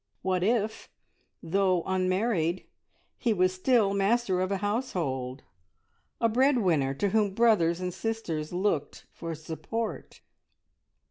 What if, though unmarried, he was still master of a household, a bread winner to whom brothers and sisters looked for support?